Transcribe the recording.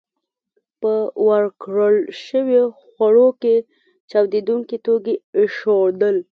په ورکړل شويو خوړو کې چاودېدونکي توکي ایښودل